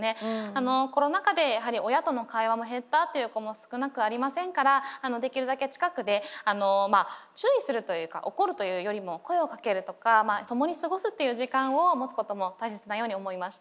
あのコロナ禍でやはり親との会話も減ったという子も少なくありませんからできるだけ近くで注意するというか怒るというよりも声をかけるとか共に過ごすっていう時間を持つことも大切なように思いました。